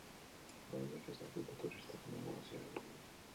Oraindik ez dakite turistak nongoak ziren.